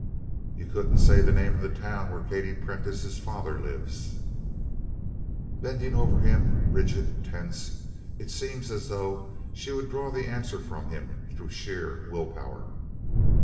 "You couldn't say the name of the town where Katie Prentice's father lives!" Bending over him, rigid, tense, it seemed as though she would draw the answer from him through sheer will power.